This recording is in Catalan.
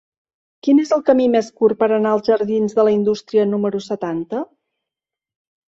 Quin és el camí més curt per anar als jardins de la Indústria número setanta?